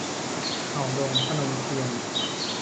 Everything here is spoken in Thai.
เห่าดง - พนมเทียน